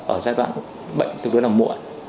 ở giai đoạn bệnh tự đối là muộn